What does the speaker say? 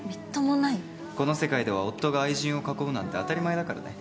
この世界では夫が愛人を囲うなんて当たり前だからね。